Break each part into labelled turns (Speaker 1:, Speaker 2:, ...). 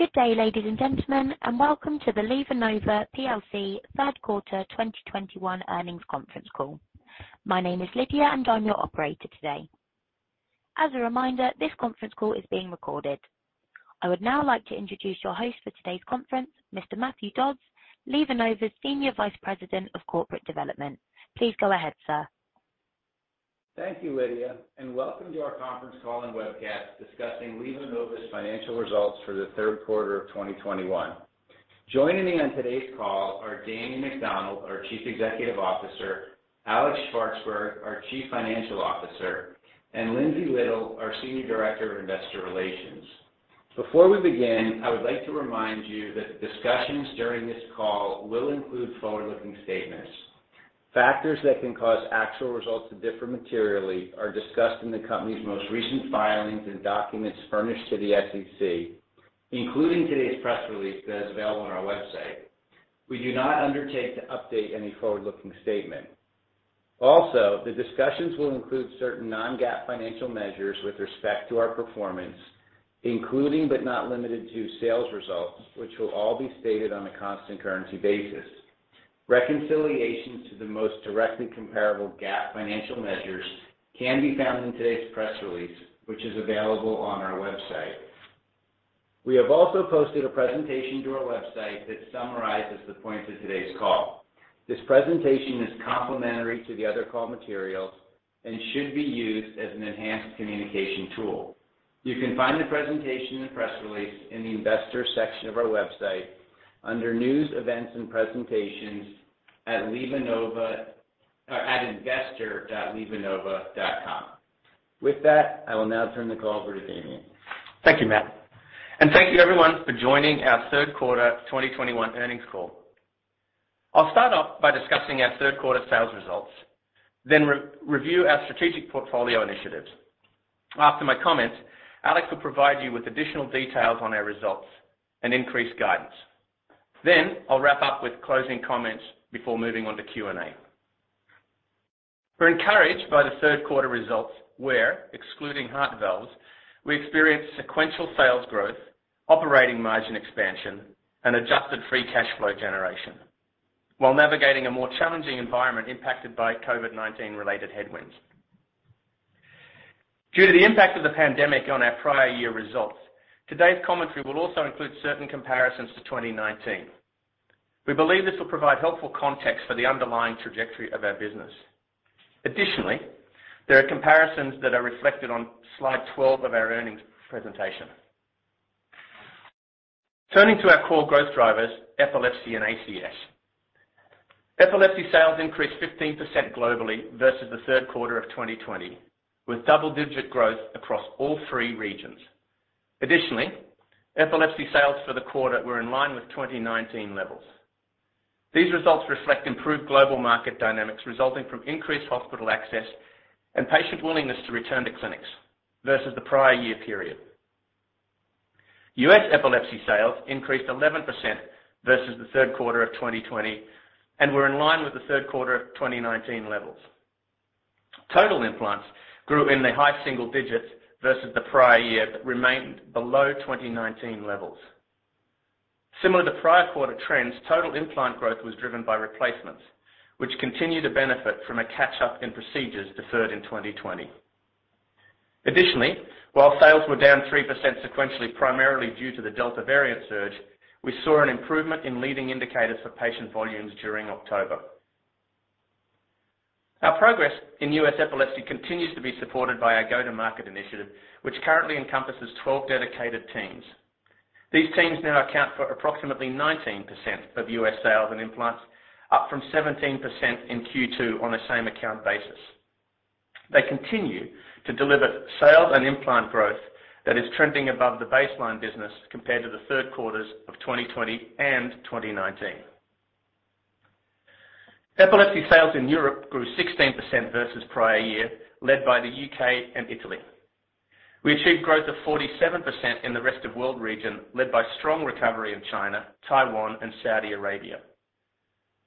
Speaker 1: Good day, ladies and gentlemen, and welcome to the LivaNova PLC third quarter 2021 earnings conference call. My name is Lydia and I'm your operator today. As a reminder, this conference call is being recorded. I would now like to introduce your host for today's conference, Mr. Matthew Dodds, LivaNova's Senior Vice President of Corporate Development. Please go ahead, sir.
Speaker 2: Thank you, Lydia, and welcome to our conference call and webcast discussing LivaNova's financial results for the third quarter of 2021. Joining me on today's call are Damien McDonald, our Chief Executive Officer, Alex Shvartsburg, our Chief Financial Officer, and Lindsey Little, our Senior Director of Investor Relations. Before we begin, I would like to remind you that discussions during this call will include forward-looking statements. Factors that can cause actual results to differ materially are discussed in the company's most recent filings and documents furnished to the SEC, including today's press release that is available on our website. We do not undertake to update any forward-looking statement. Also, the discussions will include certain non-GAAP financial measures with respect to our performance, including, but not limited to, sales results, which will all be stated on a constant currency basis. Reconciliations to the most directly comparable GAAP financial measures can be found in today's press release, which is available on our website. We have also posted a presentation to our website that summarizes the points of today's call. This presentation is complementary to the other call materials and should be used as an enhanced communication tool. You can find the presentation and press release in the investor section of our website under News, Events and Presentations at LivaNova or at investor.livanova.com. With that, I will now turn the call over to Damien.
Speaker 3: Thank you, Matt, and thank you everyone for joining our third quarter 2021 earnings call. I'll start off by discussing our third quarter sales results, then review our strategic portfolio initiatives. After my comments, Alex will provide you with additional details on our results and increased guidance. I'll wrap up with closing comments before moving on to Q&A. We're encouraged by the third quarter results where, excluding Heart Valves, we experienced sequential sales growth, operating margin expansion, and adjusted free cash flow generation while navigating a more challenging environment impacted by COVID-19 related headwinds. Due to the impact of the pandemic on our prior year results, today's commentary will also include certain comparisons to 2019. We believe this will provide helpful context for the underlying trajectory of our business. Additionally, there are comparisons that are reflected on slide 12 of our earnings presentation. Turning to our core growth drivers, epilepsy and ACS. Epilepsy sales increased 15% globally versus the third quarter of 2020, with double-digit growth across all three regions. Additionally, epilepsy sales for the quarter were in line with 2019 levels. These results reflect improved global market dynamics resulting from increased hospital access and patient willingness to return to clinics versus the prior year period. U.S. epilepsy sales increased 11% versus the third quarter of 2020 and were in line with the third quarter of 2019 levels. Total implants grew in the high single digits versus the prior year, but remained below 2019 levels. Similar to prior quarter trends, total implant growth was driven by replacements, which continue to benefit from a catch-up in procedures deferred in 2020. Additionally, while sales were down 3% sequentially, primarily due to the Delta variant surge, we saw an improvement in leading indicators for patient volumes during October. Our progress in U.S. epilepsy continues to be supported by our go-to-market initiative, which currently encompasses 12 dedicated teams. These teams now account for approximately 19% of U.S. sales and implants, up from 17% in Q2 on a same account basis. They continue to deliver sales and implant growth that is trending above the baseline business compared to the third quarters of 2020 and 2019. Epilepsy sales in Europe grew 16% versus prior year, led by the U.K. and Italy. We achieved growth of 47% in the rest of world region, led by strong recovery in China, Taiwan and Saudi Arabia.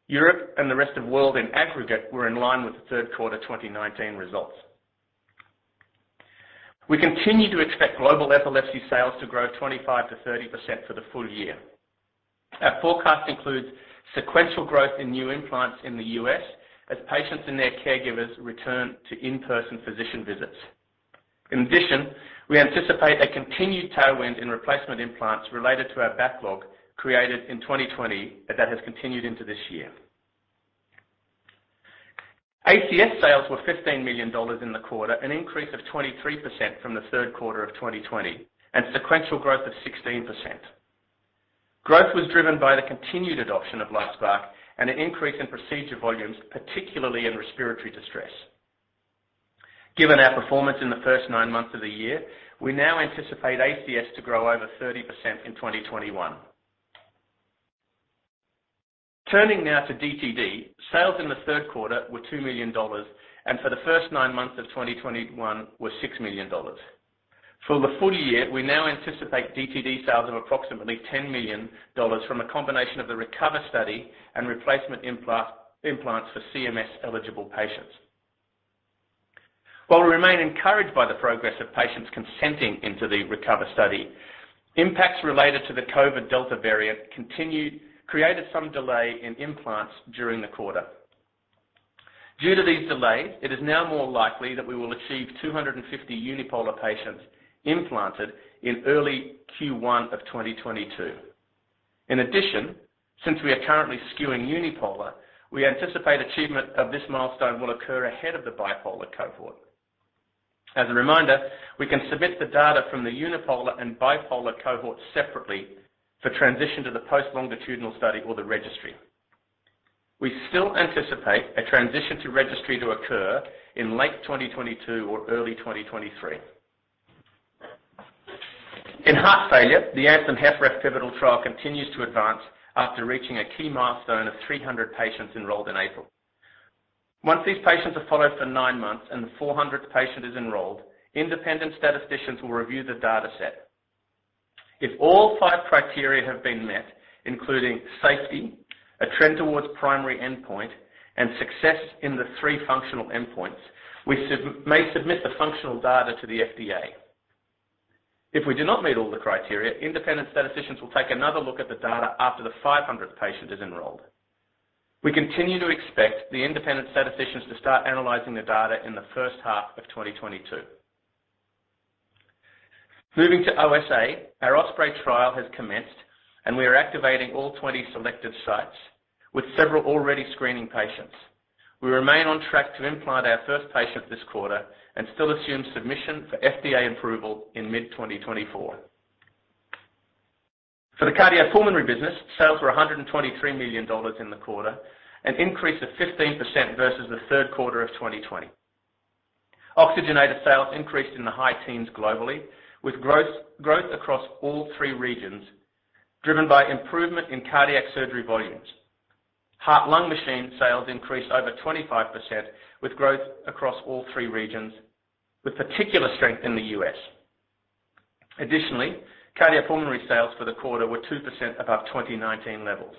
Speaker 3: Europe and the rest of world in aggregate were in line with the third quarter 2019 results. We continue to expect global epilepsy sales to grow 25%-30% for the full year. Our forecast includes sequential growth in new implants in the U.S. as patients and their caregivers return to in-person physician visits. In addition, we anticipate a continued tailwind in replacement implants related to our backlog created in 2020, that has continued into this year. ACS sales were $15 million in the quarter, an increase of 23% from the third quarter of 2020 and sequential growth of 16%. Growth was driven by the continued adoption of LifeSPARC and an increase in procedure volumes, particularly in respiratory distress. Given our performance in the first nine months of the year, we now anticipate ACS to grow over 30% in 2021. Turning now to DTD, sales in the third quarter were $2 million, and for the first nine months of 2021 were $6 million. For the full year, we now anticipate DTD sales of approximately $10 million from a combination of the RECOVER study and replacement implants for CMS-eligible patients. While we remain encouraged by the progress of patients consenting into the RECOVER study, impacts related to the COVID-19 Delta variant continued to create some delay in implants during the quarter. Due to these delays, it is now more likely that we will achieve 250 unipolar patients implanted in early Q1 of 2022. In addition, since we are currently skewing unipolar, we anticipate achievement of this milestone will occur ahead of the bipolar cohort. As a reminder, we can submit the data from the unipolar and bipolar cohorts separately for transition to the post-longitudinal study or the registry. We still anticipate a transition to registry to occur in late 2022 or early 2023. In heart failure, the ANTHEM-HF pivotal trial continues to advance after reaching a key milestone of 300 patients enrolled in April. Once these patients are followed for nine months and the 400th patient is enrolled, independent statisticians will review the data set. If all five criteria have been met, including safety, a trend towards primary endpoint, and success in the three functional endpoints, we may submit the functional data to the FDA. If we do not meet all the criteria, independent statisticians will take another look at the data after the 500th patient is enrolled. We continue to expect the independent statisticians to start analyzing the data in the first half of 2022. Moving to OSA, our Osprey trial has commenced, and we are activating all 20 selected sites, with several already screening patients. We remain on track to implant our first patient this quarter and still assume submission for FDA approval in mid-2024. For the Cardiopulmonary business, sales were $123 million in the quarter, an increase of 15% versus the third quarter of 2020. Oxygenator sales increased in the high teens globally, with growth across all three regions, driven by improvement in cardiac surgery volumes. Heart-lung machine sales increased over 25%, with growth across all three regions, with particular strength in the U.S. Additionally, Cardiopulmonary sales for the quarter were 2% above 2019 levels.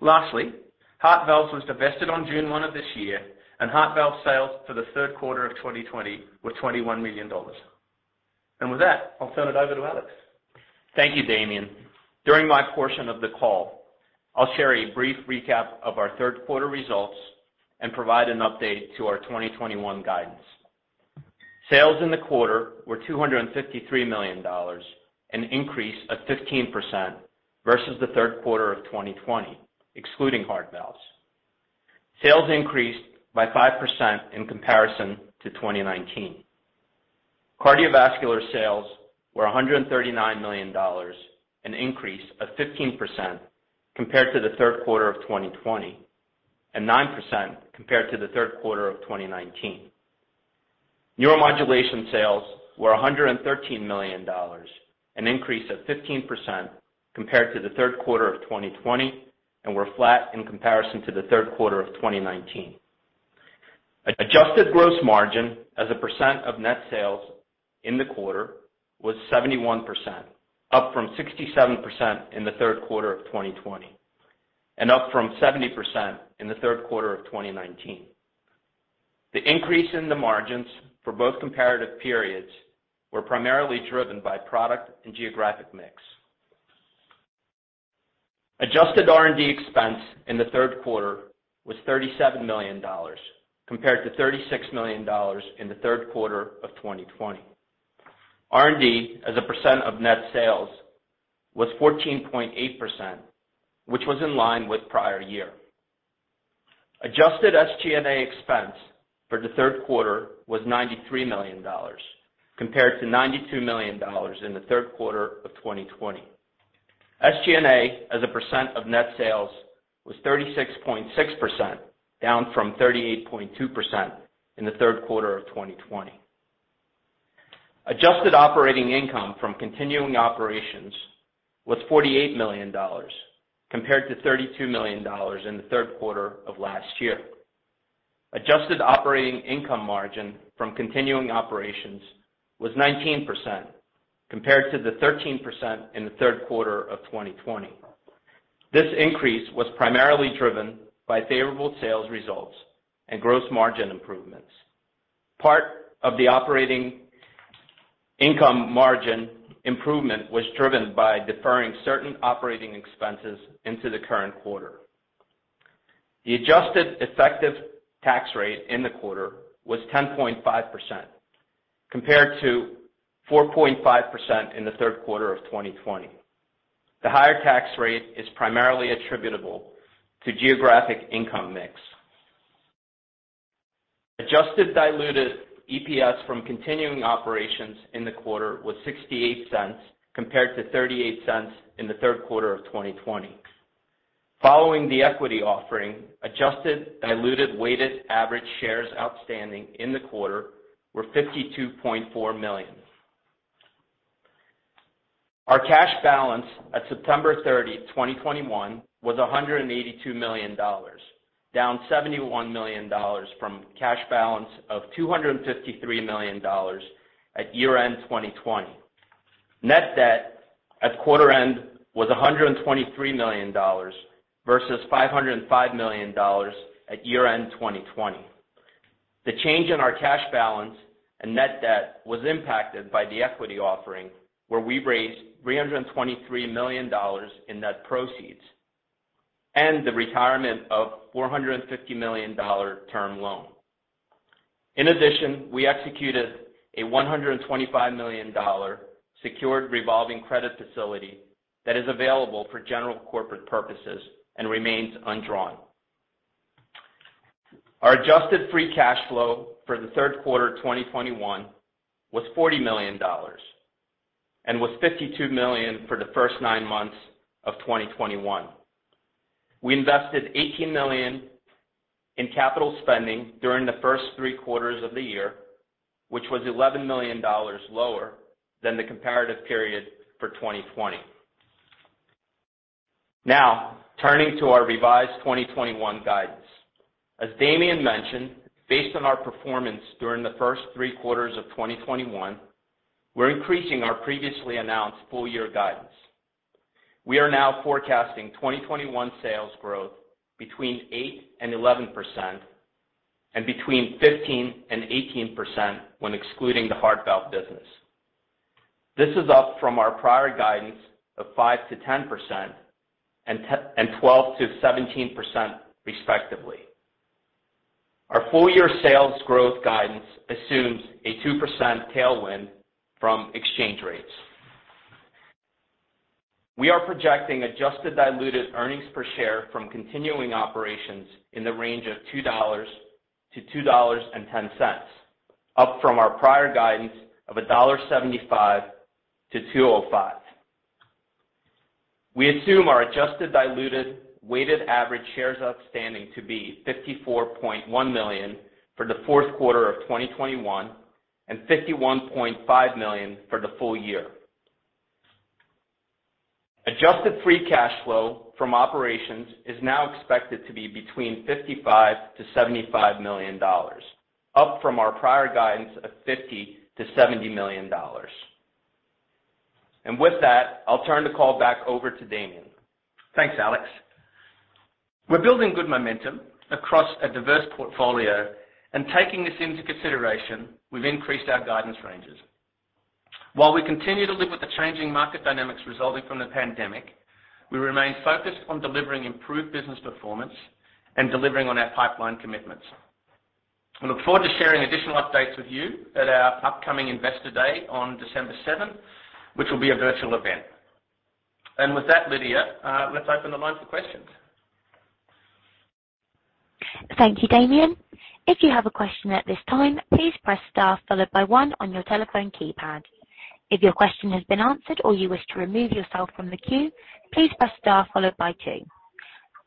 Speaker 3: Lastly, Heart Valves was divested on June one of this year, and Heart Valves sales for the third quarter of 2020 were $21 million. With that, I'll turn it over to Alex.
Speaker 4: Thank you, Damien. During my portion of the call, I'll share a brief recap of our third quarter results and provide an update to our 2021 guidance. Sales in the quarter were $253 million, an increase of 15% versus the third quarter of 2020, excluding Heart Valves. Sales increased by 5% in comparison to 2019. Cardiovascular sales were $139 million, an increase of 15% compared to the third quarter of 2020, and 9% compared to the third quarter of 2019. Neuromodulation sales were $113 million, an increase of 15% compared to the third quarter of 2020, and were flat in comparison to the third quarter of 2019. Adjusted gross margin as a percent of net sales in the quarter was 71%, up from 67% in the third quarter of 2020, and up from 70% in the third quarter of 2019. The increase in the margins for both comparative periods were primarily driven by product and geographic mix. Adjusted R&D expense in the third quarter was $37 million, compared to $36 million in the third quarter of 2020. R&D as a percent of net sales was 14.8%, which was in line with prior year. Adjusted SG&A expense for the third quarter was $93 million, compared to $92 million in the third quarter of 2020. SG&A as a percent of net sales was 36.6%, down from 38.2% in the third quarter of 2020. Adjusted operating income from continuing operations was $48 million, compared to $32 million in the third quarter of last year. Adjusted operating income margin from continuing operations was 19%, compared to the 13% in the third quarter of 2020. This increase was primarily driven by favorable sales results and gross margin improvements. Part of the operating income margin improvement was driven by deferring certain operating expenses into the current quarter. The adjusted effective tax rate in the quarter was 10.5%, compared to 4.5% in the third quarter of 2020. The higher tax rate is primarily attributable to geographic income mix. Adjusted diluted EPS from continuing operations in the quarter was $0.68, compared to $0.38 in the third quarter of 2020. Following the equity offering, adjusted diluted weighted average shares outstanding in the quarter were 52.4 million. Our cash balance at September 30, 2021 was $182 million, down $71 million from cash balance of $253 million at year-end 2020. Net debt at quarter end was $123 million versus $505 million at year-end 2020. The change in our cash balance and net debt was impacted by the equity offering, where we raised $323 million in net proceeds and the retirement of $450 million dollar term loan. In addition, we executed a $125 million dollar secured revolving credit facility that is available for general corporate purposes and remains undrawn. Our adjusted free cash flow for the third quarter 2021 was $40 million, and was $52 million for the first nine months of 2021. We invested $18 million in capital spending during the first three quarters of the year, which was $11 million lower than the comparative period for 2020. Now, turning to our revised 2021 guidance. As Damien mentioned, based on our performance during the first three quarters of 2021, we're increasing our previously announced full year guidance. We are now forecasting 2021 sales growth between 8%-11% and between 15%-18% when excluding the Heart Valves business. This is up from our prior guidance of 5%-10% and twelve to 17% respectively. Our full year sales growth guidance assumes a 2% tailwind from exchange rates. We are projecting adjusted diluted earnings per share from continuing operations in the range of $2-$2.10, up from our prior guidance of $1.75-$2.05. We assume our adjusted diluted weighted average shares outstanding to be 54.1 million for the fourth quarter of 2021 and 51.5 million for the full year. Adjusted free cash flow from operations is now expected to be between $55 million-$75 million, up from our prior guidance of $50 million-$70 million. With that, I'll turn the call back over to Damien.
Speaker 3: Thanks, Alex. We're building good momentum across a diverse portfolio, and taking this into consideration, we've increased our guidance ranges. While we continue to live with the changing market dynamics resulting from the pandemic, we remain focused on delivering improved business performance and delivering on our pipeline commitments. We look forward to sharing additional updates with you at our upcoming Investor Day on December 7th, which will be a virtual event. With that, Lydia, let's open the line for questions.
Speaker 1: Thank you, Damien. If you have a question at this time, please press Star followed by one on your telephone keypad. If your question has been answered or you wish to remove yourself from the queue, please press Star followed by two.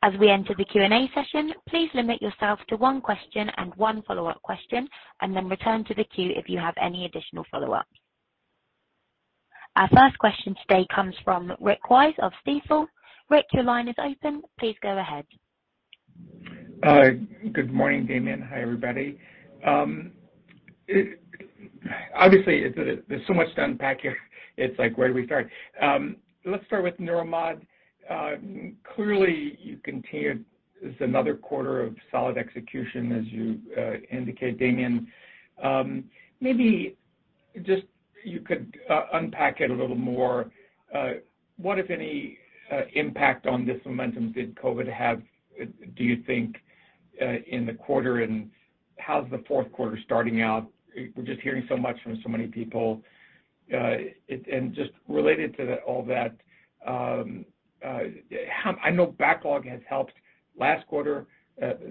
Speaker 1: As we enter the Q&A session, please limit yourself to one question and one follow-up question, and then return to the queue if you have any additional follow-ups. Our first question today comes from Rick Wise of Stifel. Rick, your line is open. Please go ahead.
Speaker 5: Good morning, Damien. Hi, everybody. Obviously, there's so much to unpack here. It's like, where do we start? Let's start with Neuromod. Clearly, it's another quarter of solid execution, as you indicate, Damien. Maybe just you could unpack it a little more. What, if any, impact on this momentum did COVID have, do you think, in the quarter, and how's the fourth quarter starting out? We're just hearing so much from so many people. And just related to all that, how I know backlog has helped last quarter,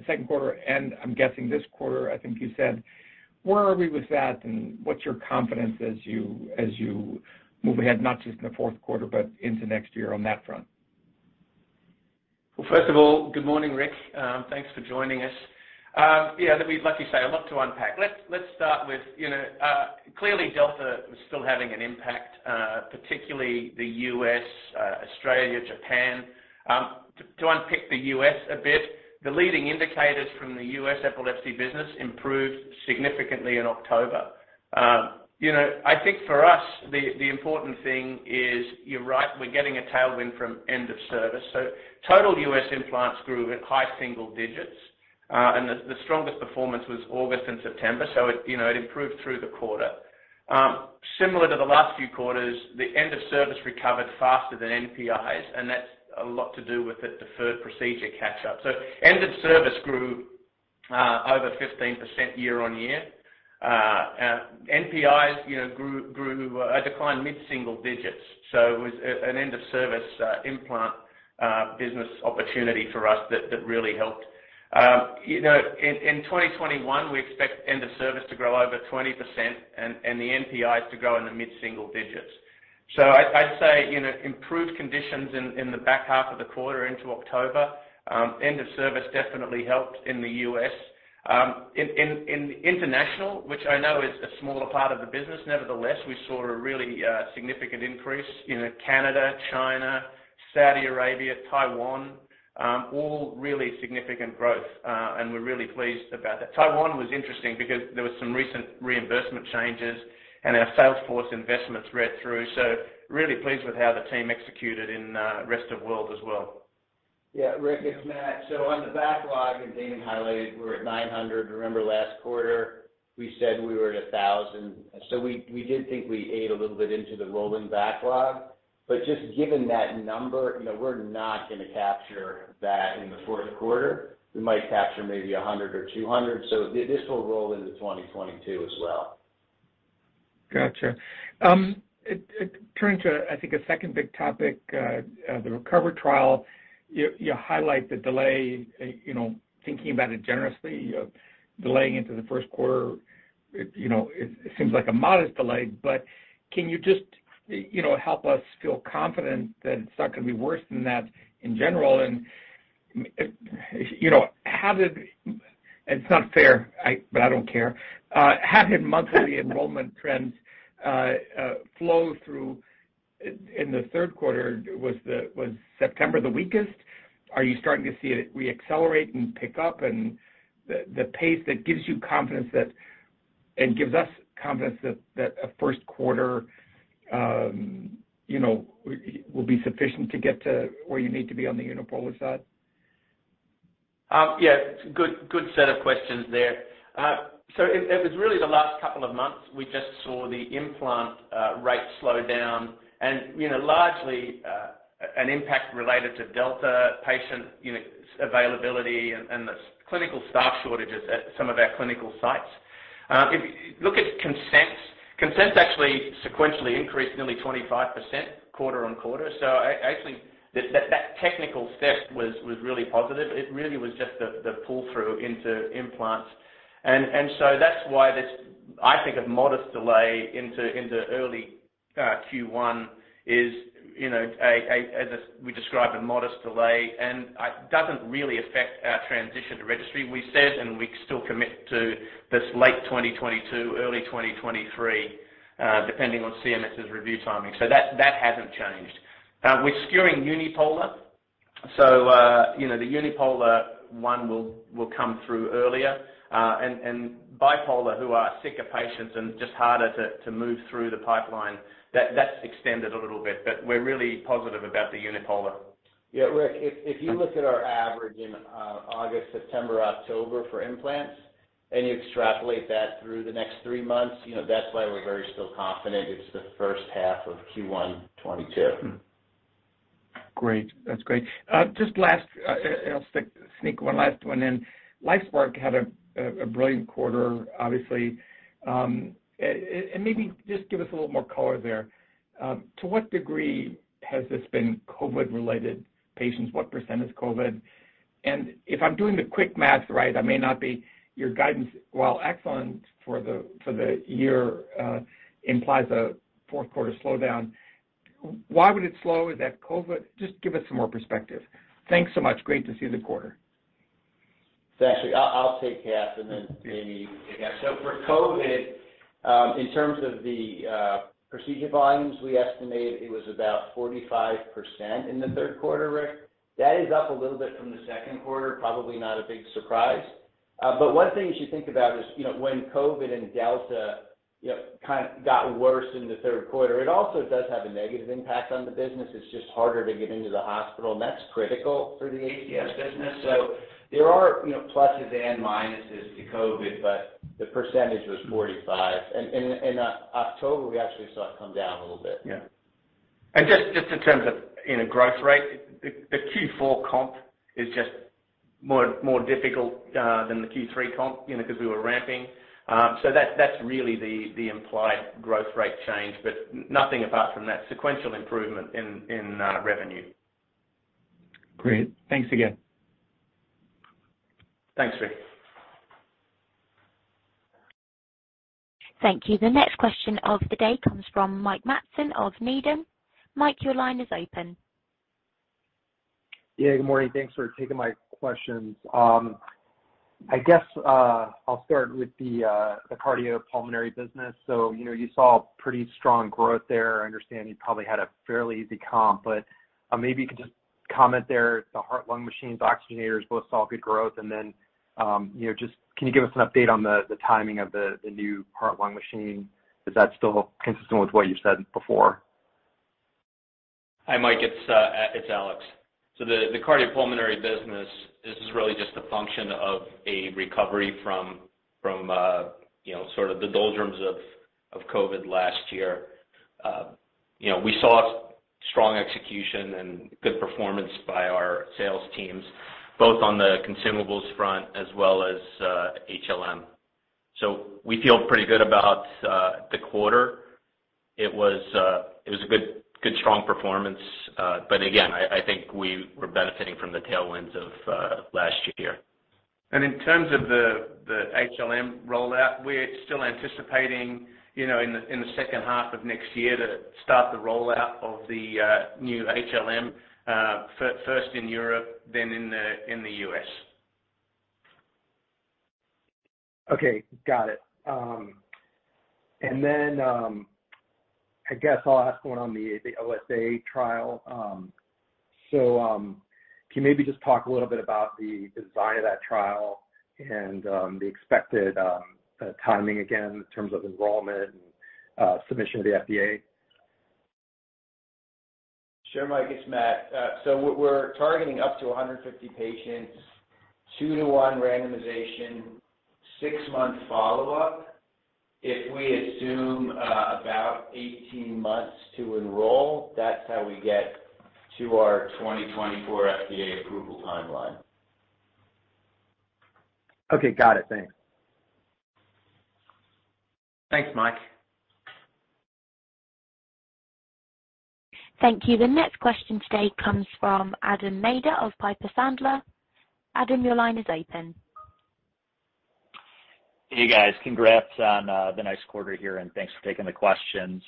Speaker 5: second quarter, and I'm guessing this quarter, I think you said. Where are we with that, and what's your confidence as you move ahead, not just in the fourth quarter, but into next year on that front?
Speaker 3: Well, first of all, good morning, Rick. Thanks for joining us. Yeah, look, like you say, a lot to unpack. Let's start with, you know, clearly Delta is still having an impact, particularly the U.S., Australia, Japan. To unpick the U.S. a bit, the leading indicators from the U.S. epilepsy business improved significantly in October. You know, I think for us, the important thing is, you're right, we're getting a tailwind from end of service. So total U.S. implants grew at high single digits, and the strongest performance was August and September. So it, you know, it improved through the quarter. Similar to the last few quarters, the end of service recovered faster than NTIs, and that's a lot to do with the deferred procedure catch-up. End of service grew over 15% year-over-year. NTIs, you know, declined mid-single-digit %. It was an end of service implant business opportunity for us that really helped. You know, in 2021, we expect end of service to grow over 20% and the NTIs to grow in the mid-single-digit %. I'd say, you know, improved conditions in the back half of the quarter into October, end of service definitely helped in the U.S. In international, which I know is a smaller part of the business, nevertheless, we saw a really significant increase. You know, Canada, China, Saudi Arabia, Taiwan, all really significant growth. We're really pleased about that. Taiwan was interesting because there was some recent reimbursement changes and our sales force investments read through, so really pleased with how the team executed in rest of world as well.
Speaker 2: Yeah, Rick, it's Matt. On the backlog that Damien highlighted, we're at 900. Remember last quarter, we said we were at 1,000. We did think we ate a little bit into the rolling backlog. But just given that number, you know, we're not gonna capture that in the fourth quarter. We might capture maybe 100 or 200. This will roll into 2022 as well.
Speaker 5: Gotcha. Turning to, I think, a second big topic, the RECOVER trial. You highlight the delay, you know, thinking about it generously, delaying into the first quarter. It seems like a modest delay, but can you just, you know, help us feel confident that it's not gonna be worse than that in general? It's not fair, but I don't care. Have you hit monthly enrollment trends flow through in the third quarter? Was September the weakest? Are you starting to see it reaccelerate and pick up and the pace that gives you confidence that and gives us confidence that a first quarter will be sufficient to get to where you need to be on the unipolar side?
Speaker 3: Yeah, good set of questions there. It was really the last couple of months, we just saw the implant rate slow down and, you know, largely an impact related to Delta patient unit availability and the clinical staff shortages at some of our clinical sites. If you look at consents actually sequentially increased nearly 25% quarter-over-quarter. Actually that technical step was really positive. It really was just the pull-through into implants. That's why this, I think, a modest delay into early Q1 is, you know, a, as we described, a modest delay, and doesn't really affect our transition to registry. We said, and we still commit to this late 2022, early 2023, depending on CMS's review timing. That hasn't changed. We're skewing unipolar. You know, the unipolar one will come through earlier. Bipolar who are sicker patients and just harder to move through the pipeline, that's extended a little bit, but we're really positive about the unipolar.
Speaker 2: Yeah, Rick, if you look at our average in August, September, October for implants, and you extrapolate that through the next three months, you know, that's why we're still very confident it's the first half of Q1 2022.
Speaker 5: Great. That's great. Just one last, and I'll sneak one last one in. LifeSPARC had a brilliant quarter, obviously. Maybe just give us a little more color there. To what degree has this been COVID-related patients? What percent is COVID? If I'm doing the quick math right, I may not be, your guidance while excellent for the year implies a fourth quarter slowdown. Why would it slow? Is that COVID? Just give us some more perspective. Thanks so much. Great to see the quarter.
Speaker 2: Actually, I'll take half and then Damien, you can. For COVID, in terms of the procedure volumes, we estimate it was about 45% in the third quarter, Rick. That is up a little bit from the second quarter, probably not a big surprise. One thing you should think about is, you know, when COVID and Delta, you know, kind of got worse in the third quarter, it also does have a negative impact on the business. It's just harder to get into the hospital, and that's critical for the ACS business. There are, you know, pluses and minuses to COVID, but the percentage was 45%. In October, we actually saw it come down a little bit.
Speaker 3: Yeah. Just in terms of, you know, growth rate, the Q4 comp is just more difficult than the Q3 comp, you know, because we were ramping. So that's really the implied growth rate change, but nothing apart from that sequential improvement in revenue.
Speaker 5: Great. Thanks again.
Speaker 3: Thanks, Rick.
Speaker 1: Thank you. The next question of the day comes from Mike Matson of Needham. Mike, your line is open.
Speaker 6: Yeah, good morning. Thanks for taking my questions. I guess I'll start with the Cardiopulmonary business. You know, you saw pretty strong growth there. I understand you probably had a fairly easy comp, but maybe you could just comment there. The heart-lung machines, oxygenators both saw good growth. You know, just can you give us an update on the timing of the new heart-lung machine? Is that still consistent with what you said before?
Speaker 4: Hi, Mike. It's Alex. The Cardiopulmonary business is really just a function of a recovery from sort of the doldrums of COVID last year. We saw strong execution and good performance by our sales teams, both on the consumables front as well as HLM. We feel pretty good about the quarter. It was a good strong performance. Again, I think we were benefiting from the tailwinds of last year.
Speaker 3: In terms of the HLM rollout, we're still anticipating, you know, in the second half of next year to start the rollout of the new HLM first in Europe, then in the U.S.
Speaker 6: Okay, got it. I guess I'll ask one on the OSA trial. Can you maybe just talk a little bit about the design of that trial and the expected timing again in terms of enrollment and submission to the FDA?
Speaker 2: Sure, Mike, it's Matt. We're targeting up to 150 patients, two to one randomization, six-month follow-up. If we assume about 18 months to enroll, that's how we get to our 2024 FDA approval timeline.
Speaker 6: Okay. Got it. Thanks.
Speaker 2: Thanks, Mike.
Speaker 1: Thank you. The next question today comes from Adam Maeder of Piper Sandler. Adam, your line is open.
Speaker 7: Hey, guys. Congrats on the nice quarter here, and thanks for taking the questions.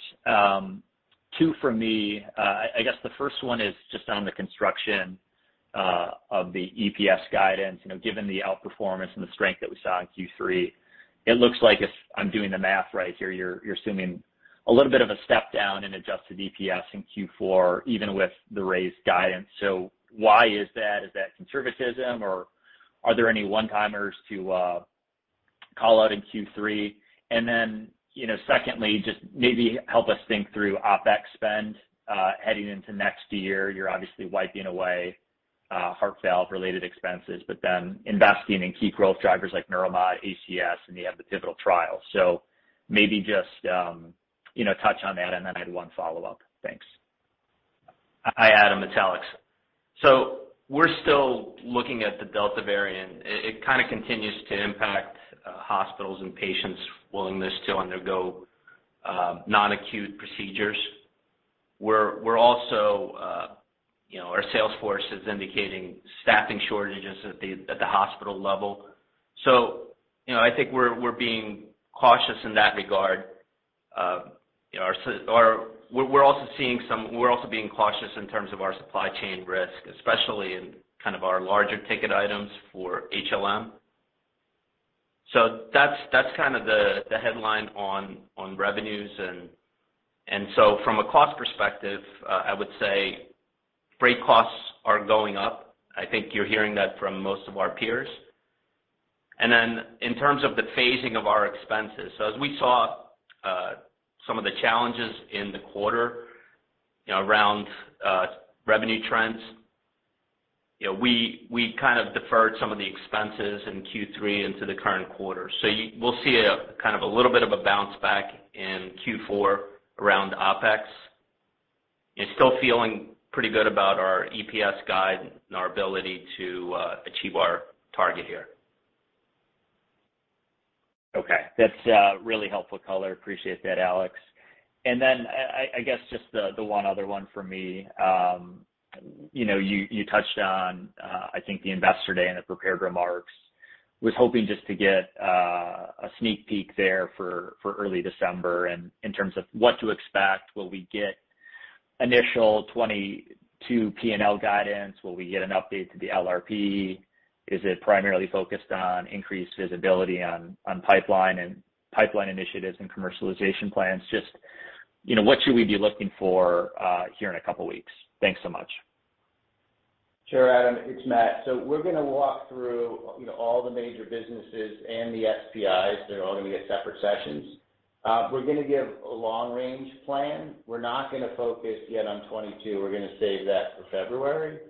Speaker 7: Two from me. I guess the first one is just on the construction of the EPS guidance. You know, given the outperformance and the strength that we saw in Q3, it looks like if I'm doing the math right here, you're assuming a little bit of a step down in adjusted EPS in Q4, even with the raised guidance. So why is that? Is that conservatism or are there any one-timers to call out in Q3? You know, secondly, just maybe help us think through OpEx spend heading into next year. You're obviously wiping away Heart Valve-related expenses, but then investing in key growth drivers like Neuromod, ACS, and you have the pivotal trial. Maybe just, you know, touch on that, and then I had one follow-up. Thanks.
Speaker 4: Hi, Adam. It's Alex. We're still looking at the Delta variant. It kind of continues to impact hospitals and patients' willingness to undergo non-acute procedures. We're also, you know, our sales force is indicating staffing shortages at the hospital level. You know, I think we're being cautious in that regard. You know, we're also being cautious in terms of our supply chain risk, especially in kind of our larger ticket items for HLM. That's kind of the headline on revenues. From a cost perspective, I would say freight costs are going up. I think you're hearing that from most of our peers. In terms of the phasing of our expenses, so as we saw, some of the challenges in the quarter, you know, around revenue trends, you know, we kind of deferred some of the expenses in Q3 into the current quarter. So we'll see a kind of a little bit of a bounce back in Q4 around OpEx, and still feeling pretty good about our EPS guide and our ability to achieve our target here.
Speaker 7: Okay. That's really helpful color. Appreciate that, Alex. Then I guess just the one other one for me. You know, you touched on I think the Investor Day in the prepared remarks. Was hoping just to get a sneak peek there for early December in terms of what to expect. Will we get initial 2022 P&L guidance? Will we get an update to the LRP? Is it primarily focused on increased visibility on pipeline and pipeline initiatives and commercialization plans? Just you know, what should we be looking for here in a couple weeks? Thanks so much.
Speaker 2: Sure, Adam. It's Matt. We're gonna walk through, you know, all the major businesses and the SPIs. They're all gonna be in separate sessions. We're gonna give a long range plan. We're not gonna focus yet on 2022. We're gonna save that for February.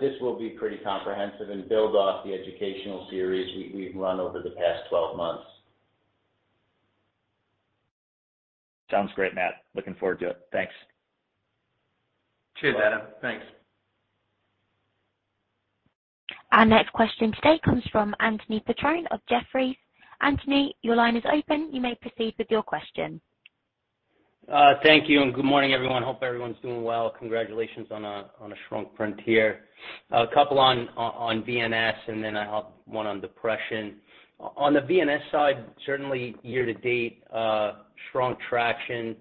Speaker 2: This will be pretty comprehensive and build off the educational series we've run over the past 12 months.
Speaker 7: Sounds great, Matt. Looking forward to it. Thanks.
Speaker 2: Cheers, Adam. Thanks.
Speaker 1: Our next question today comes from Anthony Petrone of Jefferies. Anthony, your line is open. You may proceed with your question.
Speaker 8: Thank you and good morning, everyone. Hope everyone's doing well. Congratulations on a strong quarter. A couple on VNS and then I have one on depression. On the VNS side, certainly year to date, strong traction.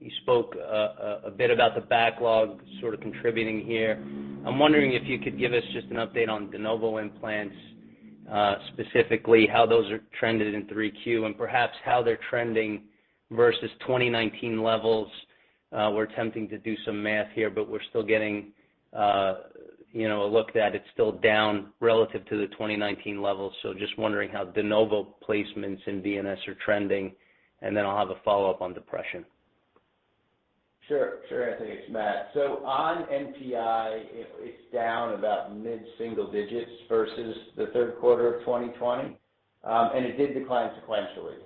Speaker 8: You spoke a bit about the backlog sort of contributing here. I'm wondering if you could give us just an update on de novo implants, specifically how those are trended in 3Q and perhaps how they're trending versus 2019 levels. We're attempting to do some math here, but we're still getting, you know, a look that it's still down relative to the 2019 levels. So just wondering how de novo placements in VNS are trending, and then I'll have a follow-up on depression.
Speaker 2: Sure, Anthony. It's Matt. On NTI, it's down about mid-single digits% versus the third quarter of 2020, and it did decline sequentially.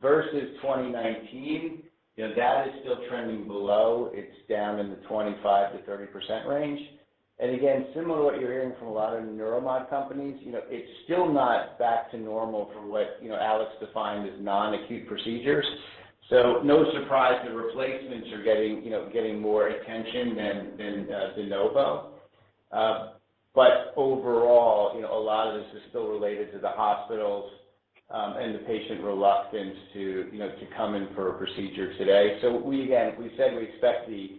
Speaker 2: Versus 2019, you know, that is still trending below. It's down in the 25%-30% range. Again, similar to what you're hearing from a lot of the neuromod companies, you know, it's still not back to normal from what, you know, Alex defined as non-acute procedures. No surprise the replacements are getting, you know, more attention than de novo. But overall, you know, a lot of this is still related to the hospitals and the patient reluctance to, you know, to come in for a procedure today. We again said we expect the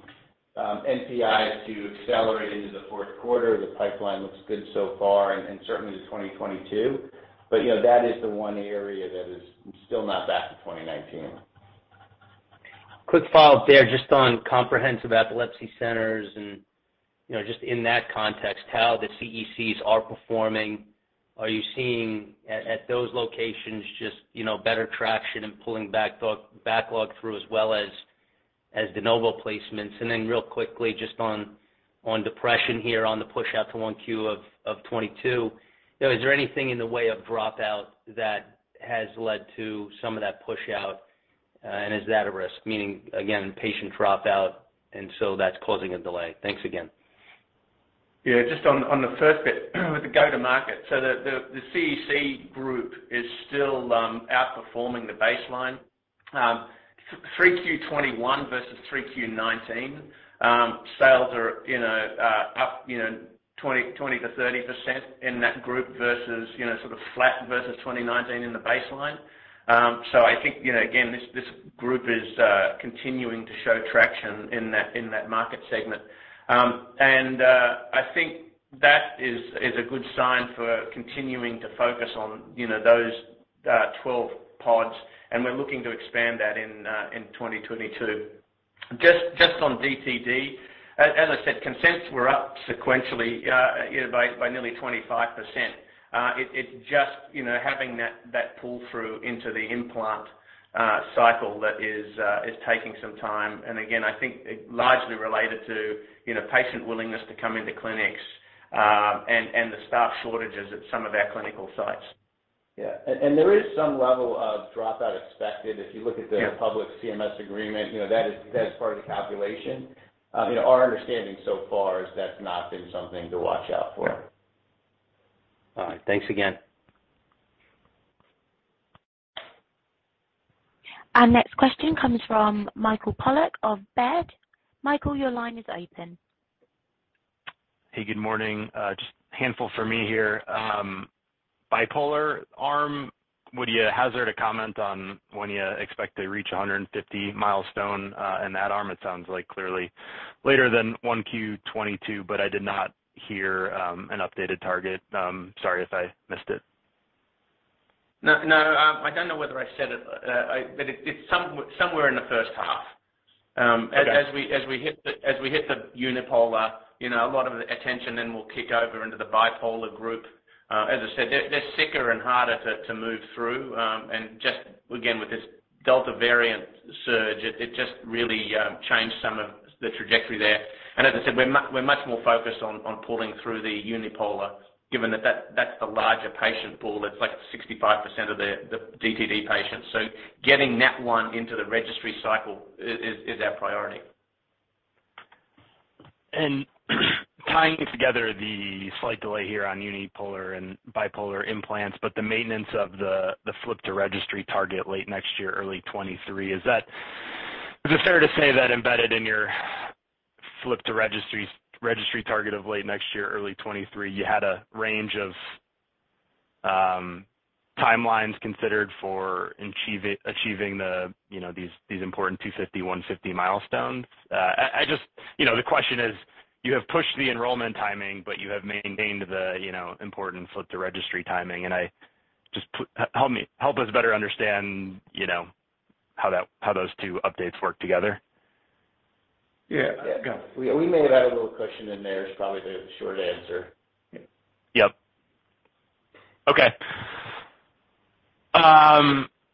Speaker 2: NTI to accelerate into the fourth quarter. The pipeline looks good so far and certainly to 2022. You know, that is the one area that is still not back to 2019.
Speaker 8: Quick follow-up there just on comprehensive epilepsy centers and, you know, just in that context, how the CECs are performing. Are you seeing at those locations just, you know, better traction and pulling backlog through as well as de novo placements? Real quickly just on depression here on the pushout to 1Q of 2022. You know, is there anything in the way of dropout that has led to some of that pushout, and is that a risk? Meaning, again, patient dropout, and so that's causing a delay. Thanks again.
Speaker 3: Yeah, just on the first bit with the go-to-market. The CEC group is still outperforming the baseline. 3Q 2021 versus 3Q 2019, sales are up 20%-30% in that group versus sort of flat versus 2019 in the baseline. I think again, this group is continuing to show traction in that market segment. I think that is a good sign for continuing to focus on those 12 pods, and we're looking to expand that in 2022. Just on DTD, as I said, consents were up sequentially by nearly 25%. It just, you know, having that pull-through into the implant cycle that is taking some time. Again, I think largely related to, you know, patient willingness to come into clinics, and the staff shortages at some of our clinical sites.
Speaker 2: There is some level of dropout expected. If you look at the
Speaker 3: Yeah.
Speaker 2: Public CMS agreement, you know, that is, that's part of the calculation. You know, our understanding so far is that's not been something to watch out for.
Speaker 3: Yeah.
Speaker 8: All right. Thanks again.
Speaker 1: Our next question comes from Michael Polark of Baird. Michael, your line is open.
Speaker 9: Hey, good morning. Just a handful for me here. Bipolar arm, would you hazard a comment on when you expect to reach 150 milestone in that arm? It sounds like clearly later than 1Q 2022, but I did not hear an updated target. Sorry if I missed it.
Speaker 3: No, no, I don't know whether I said it. It's somewhere in the first half.
Speaker 9: Okay.
Speaker 3: As we hit the unipolar, you know, a lot of the attention then will kick over into the bipolar group. As I said, they're sicker and harder to move through. Just, again, with this Delta variant surge, it just really changed some of the trajectory there. As I said, we're much more focused on pulling through the unipolar, given that that's the larger patient pool. It's like 65% of the DTD patients. Getting that one into the registry cycle is our priority.
Speaker 9: Tying together the slight delay here on unipolar and bipolar implants, but the maintenance of the flip to registry target late next year, early 2023, is it fair to say that embedded in your flip to registries, registry target of late next year, early 2023, you had a range of timelines considered for achieving the important 250, 150 milestones? You know, the question is, you have pushed the enrollment timing, but you have maintained the important flip to registry timing. Just help me. Help us better understand how those two updates work together.
Speaker 3: Yeah.
Speaker 2: Yeah. We may have added a little cushion in there is probably the short answer.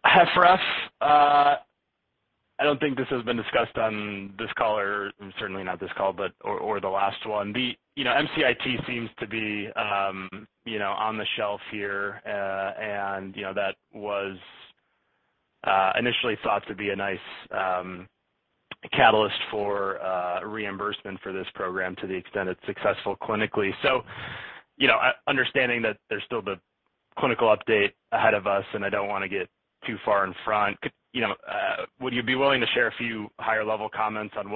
Speaker 9: Hepharaf, I don't think this has been discussed on this call or certainly not this call, but or the last one. You know, MCIT seems to be on the shelf here. You know, that was initially thought to be a nice catalyst for reimbursement for this program to the extent it's successful clinically. You know, understanding that there's still the clinical update ahead of us, and I don't wanna get too far in front. You know, would you be willing to share a few higher level comments on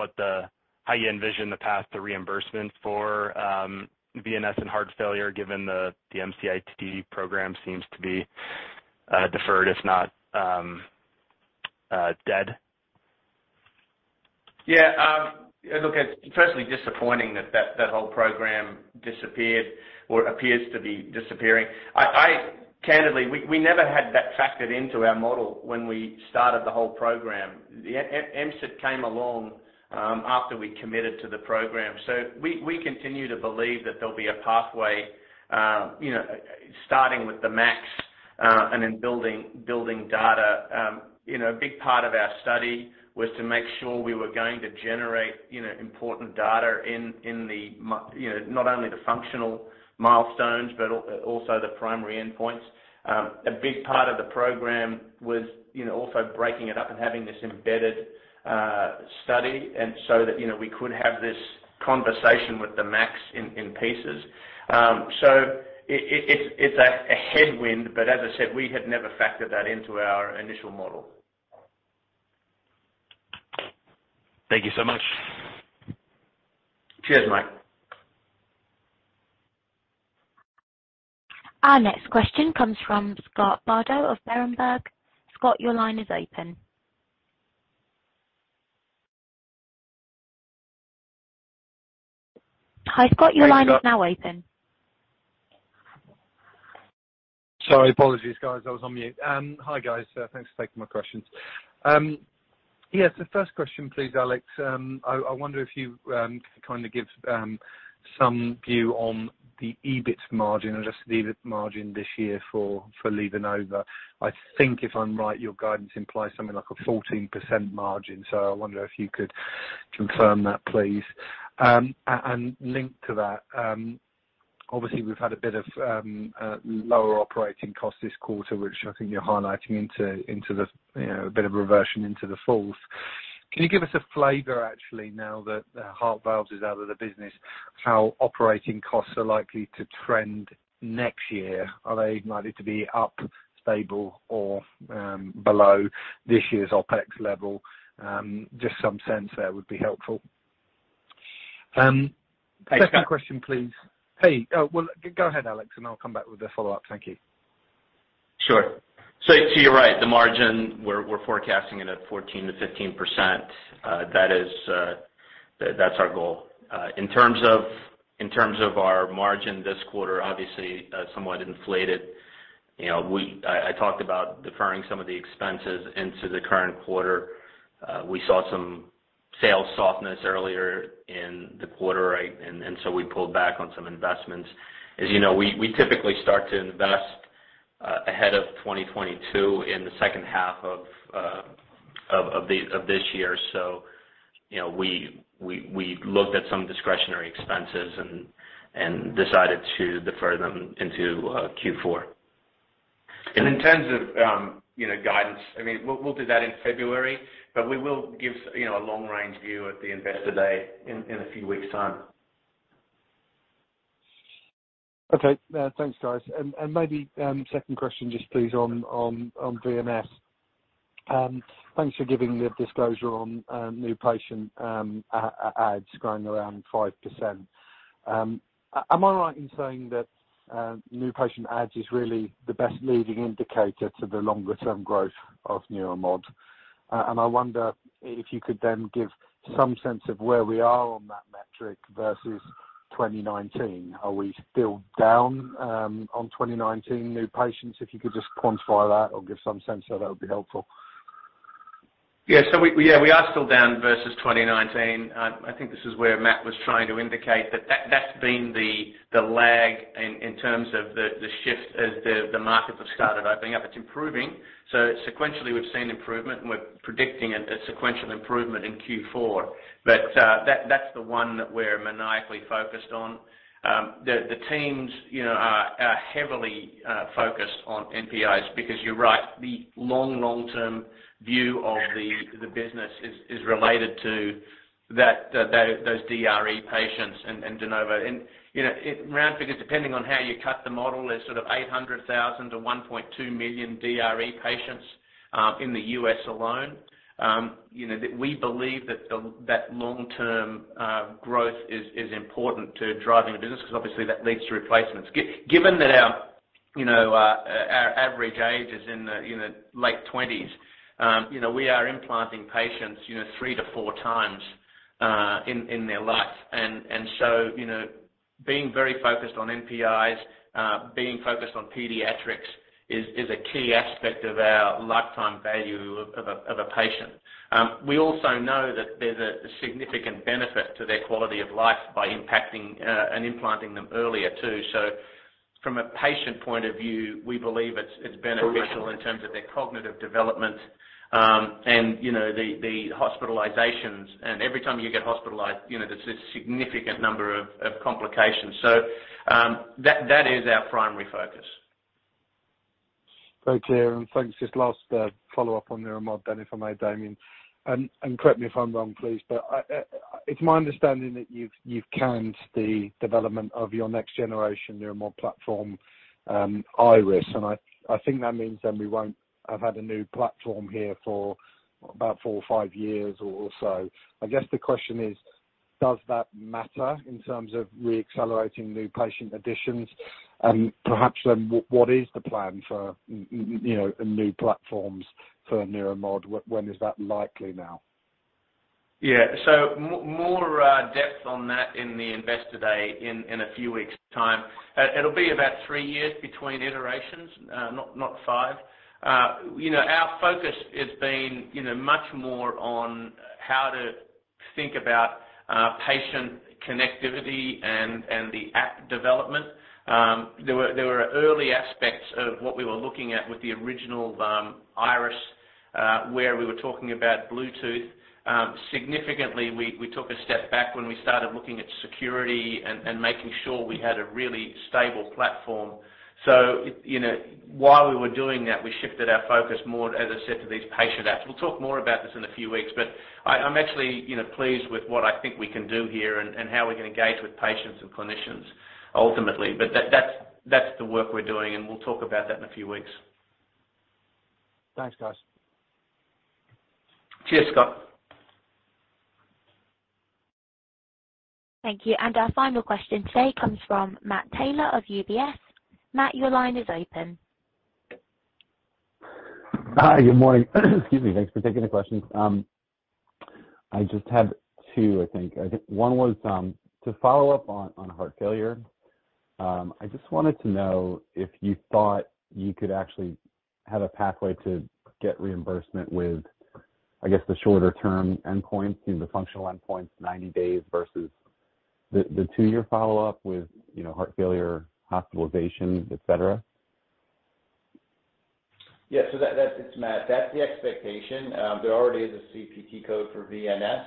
Speaker 9: how you envision the path to reimbursement for VNS and heart failure, given the MCIT program seems to be deferred if not dead?
Speaker 3: Yeah, look, it's firstly disappointing that that whole program disappeared or appears to be disappearing. Candidly, we never had that factored into our model when we started the whole program. The MCIT came along after we committed to the program. We continue to believe that there'll be a pathway, you know, starting with the MACs, and then building data. You know, a big part of our study was to make sure we were going to generate important data, you know, not only the functional milestones, but also the primary endpoints. A big part of the program was, you know, also breaking it up and having this embedded study so that, you know, we could have this conversation with the MACs in pieces. It's a headwind, but as I said, we had never factored that into our initial model.
Speaker 9: Thank you so much.
Speaker 3: Cheers, Mike.
Speaker 1: Our next question comes from Scott Bardo of Berenberg. Scott, your line is open. Hi, Scott, your line is now open.
Speaker 10: Sorry, apologies, guys. I was on mute. Hi, guys. Thanks for taking my questions. Yeah, first question, please, Alex. I wonder if you can kind of give some view on the EBITDA margin and just the EBIT margin this year for LivaNova. I think if I'm right, your guidance implies something like a 14% margin, so I wonder if you could confirm that, please. Linked to that, obviously we've had a bit of lower operating costs this quarter, which I think you're highlighting into the, you know, a bit of a reversion into the falls. Can you give us a flavor, actually, now that Heart Valves is out of the business, how operating costs are likely to trend next year? Are they likely to be up, stable, or below this year's OpEx level? Just some sense there would be helpful. Second question, please. Well, go ahead, Alex, and I'll come back with the follow-up. Thank you.
Speaker 4: Sure. You're right. The margin we're forecasting at 14%-15%. That's our goal. In terms of our margin this quarter, obviously, somewhat inflated. You know, I talked about deferring some of the expenses into the current quarter. We saw some sales softness earlier in the quarter, right? We pulled back on some investments. As you know, we typically start to invest ahead of 2022 in the second half of this year. You know, we looked at some discretionary expenses and decided to defer them into Q4.
Speaker 3: In terms of, you know, guidance, I mean, we'll do that in February, but we will give, you know, a long-range view at the Investor Day in a few weeks' time.
Speaker 10: Okay. Thanks, guys. Maybe second question just please on VNS. Thanks for giving the disclosure on new patient adds growing around 5%. Am I right in saying that new patient adds is really the best leading indicator to the longer term growth of Neuromod? I wonder if you could then give some sense of where we are on that metric versus 2019. Are we still down on 2019 new patients? If you could just quantify that or give some sense of that would be helpful.
Speaker 3: We are still down versus 2019. I think this is where Matt was trying to indicate that that's been the lag in terms of the shift as the markets have started opening up. It's improving. Sequentially, we've seen improvement and we're predicting a sequential improvement in Q4. That's the one that we're maniacally focused on. The teams, you know, are heavily focused on NTIs because you're right, the long-term view of the business is related to those DRE patients and de novo. Round figures, depending on how you cut the model, there's sort of 800,000-1.2 million DRE patients in the U.S. alone. You know, that we believe that long-term growth is important to driving the business 'cause obviously that leads to replacements. Given that our average age is in the late 20s, you know, we are implanting patients, you know, three to four times in their life. You know, being very focused on NPIs, being focused on pediatrics is a key aspect of our lifetime value of a patient. We also know that there's a significant benefit to their quality of life by impacting and implanting them earlier, too. From a patient point of view, we believe it's beneficial in terms of their cognitive development, and, you know, the hospitalizations. Every time you get hospitalized, you know, there's a significant number of complications. That is our primary focus.
Speaker 10: Very clear. Thanks. Just last follow-up on Neuromod then if I may, Damien. Correct me if I'm wrong, please, but I It's my understanding that you've canned the development of your next generation Neuromod platform, Iris, and I think that means then we won't have had a new platform here for about four or five years or so. I guess the question is, does that matter in terms of reaccelerating new patient additions? Perhaps then what is the plan for, you know, new platforms for Neuromod? When is that likely now?
Speaker 3: More depth on that in the Investor Day in a few weeks' time. It'll be about three years between iterations, not five. You know, our focus has been, you know, much more on how to think about patient connectivity and the app development. There were early aspects of what we were looking at with the original Iris, where we were talking about Bluetooth. Significantly, we took a step back when we started looking at security and making sure we had a really stable platform. You know, while we were doing that, we shifted our focus more, as I said, to these patient apps. We'll talk more about this in a few weeks, but I'm actually, you know, pleased with what I think we can do here and how we can engage with patients and clinicians ultimately. But that's the work we're doing, and we'll talk about that in a few weeks.
Speaker 10: Thanks, guys.
Speaker 3: Cheers, Scott.
Speaker 1: Thank you. Our final question today comes from Matt Taylor of UBS. Matt, your line is open.
Speaker 11: Hi. Good morning. Excuse me. Thanks for taking the questions. I just have two, I think. I think one was to follow up on heart failure. I just wanted to know if you thought you could actually have a pathway to get reimbursement with, I guess, the shorter-term endpoint, you know, the functional endpoints, 90 days versus the two-year follow-up with, you know, heart failure hospitalizations, et cetera.
Speaker 2: It's Matt, that's the expectation. There already is a CPT code for VNS.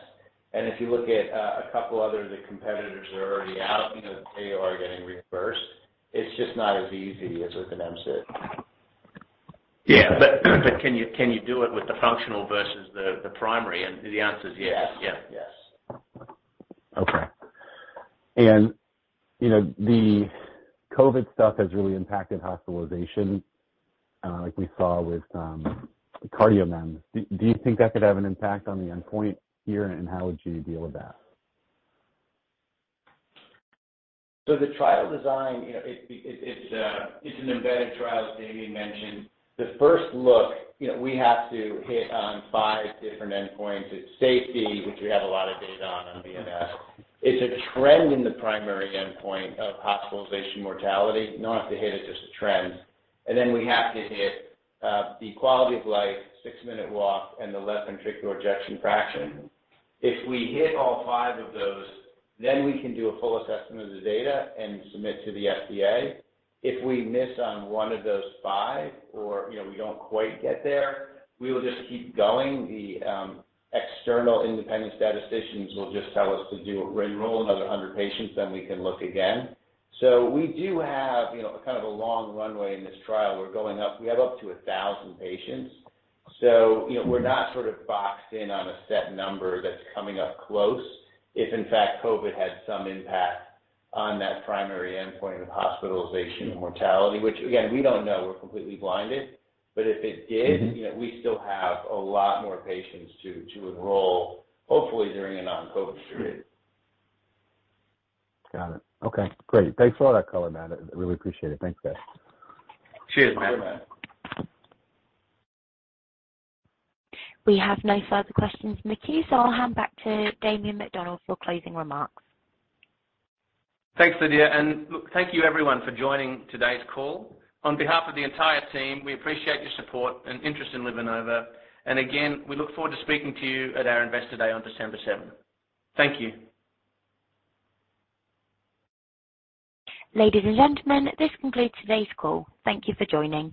Speaker 2: If you look at a couple other of the competitors that are already out, you know, they are getting reimbursed. It's just not as easy as with an MCID.
Speaker 3: Yeah. Can you do it with the functional versus the primary? The answer is yes.
Speaker 2: Yes.
Speaker 3: Yeah.
Speaker 2: Yes.
Speaker 11: Okay. You know, the COVID stuff has really impacted hospitalization, like we saw with the CardioMEMS. Do you think that could have an impact on the endpoint here? How would you deal with that?
Speaker 2: The trial design, it's an embedded trial, as Damien mentioned. The first look, we have to hit on five different endpoints. It's safety, which we have a lot of data on VNS. It's a trend in the primary endpoint of hospitalization mortality. You don't have to hit it, just a trend. Then we have to hit the quality of life, six-minute walk and the left ventricular ejection fraction. If we hit all five of those, then we can do a full assessment of the data and submit to the FDA. If we miss on one of those five or we don't quite get there, we will just keep going. The external independent statisticians will just tell us to re-enroll another 100 patients, then we can look again. We do have, you know, kind of a long runway in this trial. We're going up. We have up to 1,000 patients, so, you know, we're not sort of boxed in on a set number that's coming up close. If in fact COVID had some impact on that primary endpoint of hospitalization and mortality, which again, we don't know, we're completely blinded. If it did. You know, we still have a lot more patients to enroll, hopefully during a non-COVID-19 period.
Speaker 11: Got it. Okay, great. Thanks for all that color, Matt. I really appreciate it. Thanks, guys.
Speaker 3: Cheers, Matt.
Speaker 2: Bye, Matt.
Speaker 1: We have no further questions in the queue, so I'll hand back to Damien McDonald for closing remarks.
Speaker 3: Thanks, Lydia. Look, thank you everyone for joining today's call. On behalf of the entire team, we appreciate your support and interest in LivaNova. Again, we look forward to speaking to you at our Investor Day on December seventh. Thank you.
Speaker 1: Ladies and gentlemen, this concludes today's call. Thank you for joining.